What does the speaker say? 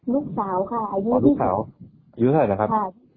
ลูกสาวค่ะอายุ๒๖อายุไข้นะครับ